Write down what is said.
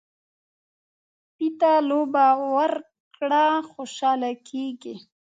سپي ته لوبه ورکړه، خوشحاله کېږي.